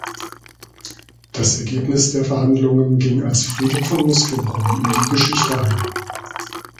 Das Ergebnis der Verhandlungen ging als Friede von Muskingum in die Geschichte ein.